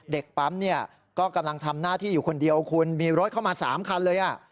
เด็กปั๊มเนี่ยก็กำลังทำหน้าที่อยู่คนเดียวคุณมีรถเข้ามา๓คันเลย